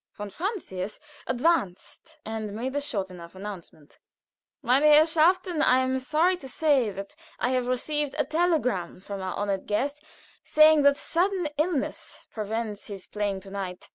Von Francius advanced and made a short enough announcement. "Meine Herrschaften, I am sorry to say that I have received a telegram from Herr , saying that sudden illness prevents his playing to night.